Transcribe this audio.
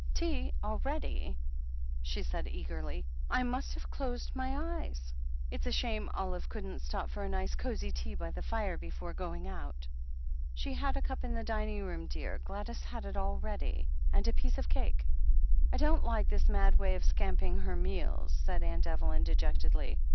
"Tea already?" she said eagerly. "I must have closed my eyes. It's a shame Olive couldn't stop for a nice cosy tea by the fire before going out" "She had a cup in the dining room, dear — Gladys had it all ready — and a piece of cake." 440 THE HEEL OF ACHILLES "I don't like this mad way of scamping her meals/' said Aimt Evelyn dejectedly.